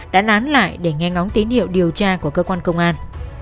đã nán lại để nghe ngóng tín hiệu điều tra của cơ quan công an